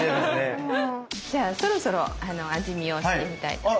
じゃあそろそろ味見をしてみたいと思います。